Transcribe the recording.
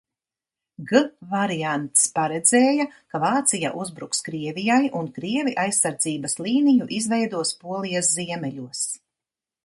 G variants paredzēja, ka Vācija uzbruks Krievijai, un krievi aizsardzības līniju izveidos Polijas ziemeļos.